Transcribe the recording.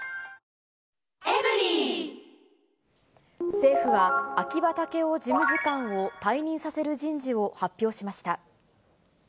政府は、秋葉剛男事務次官を退任させる人事を発表しました。